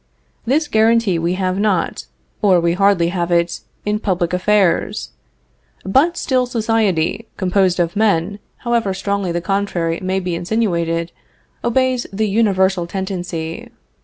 This guarantee we have not, (or we hardly have it,) in public affairs. But still society, composed of men, however strongly the contrary may be insinuated, obeys the universal tendency.